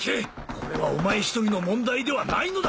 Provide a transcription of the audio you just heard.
これはお前１人の問題ではないのだ！